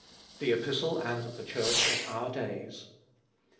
THE EPISTLE AND THE CHURCH OF OUR DAYS.